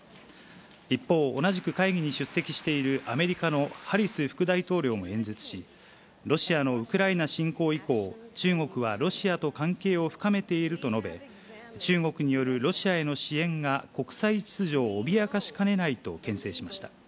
一方、同じく会議に出席しているアメリカのハリス副大統領も演説し、ロシアのウクライナ侵攻以降、中国はロシアと関係を深めていると述べ、中国によるロシアへの支援が国際秩序を脅かしかねないとけん制しました。